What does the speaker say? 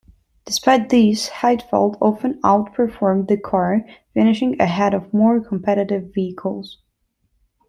Despite this, Heidfeld often outperformed the car, finishing ahead of more competitive vehicles.